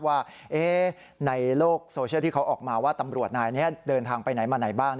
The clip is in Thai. ว่าในโลกโซเชียลที่เขาออกมาว่าตำรวจนายนี้เดินทางไปไหนมาไหนบ้าง